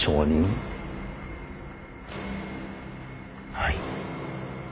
はい。